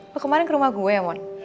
lo kemarin ke rumah gue ya mon